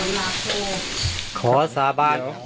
ข้าพเจ้านางสาวสุภัณฑ์หลาโภ